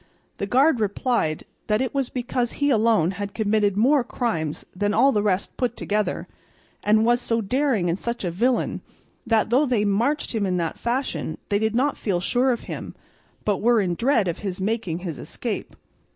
The guard replied that it was because he alone had committed more crimes than all the rest put together, and was so daring and such a villain, that though they marched him in that fashion they did not feel sure of him, but were in dread of his making his escape.